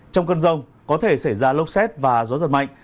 trong cơn rông có thể xảy ra lốc xét và gió giật mạnh